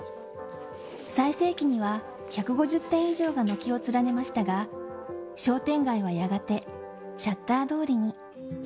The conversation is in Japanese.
最盛期には１５０店以上が軒を連ねましたが、商店街はやがてシャッター通りに。